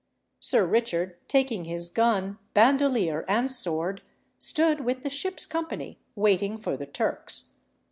Sir Richard, taking his gun, bandolier, and sword, stood with the ship's company waiting for the Turks.